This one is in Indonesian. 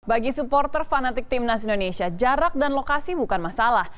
bagi supporter fanatik timnas indonesia jarak dan lokasi bukan masalah